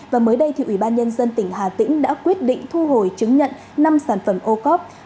và mới đây thì ủy ban nhân dân tỉnh hà tĩnh đã quyết định thu hồi chứng nhận năm sản phẩm ô cóp